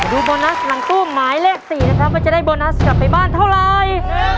โบนัสหลังตู้หมายเลข๔นะครับว่าจะได้โบนัสกลับไปบ้านเท่าไร